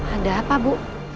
ada apa bu